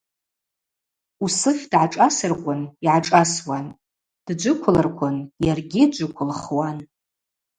Усыф дгӏашӏасырквын йгӏашӏасуан, дджвыквлырквын йаргьи джвыквылхуан.